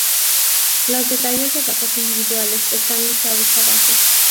Los detalles de barcos individuales están listados abajo.